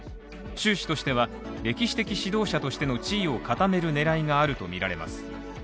習氏としては、歴史的指導者としての地位を固める狙いがあるとみられます。